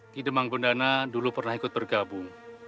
kidemang bendana dulu pernah ikut bergabung